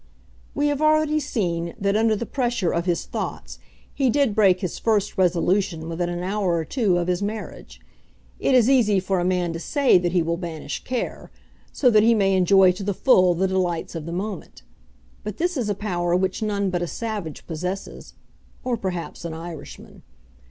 We have already seen that under the pressure of his thoughts he did break his first resolution within an hour or two of his marriage. It is easy for a man to say that he will banish care, so that he may enjoy to the full the delights of the moment. But this is a power which none but a savage possesses, or perhaps an Irishman.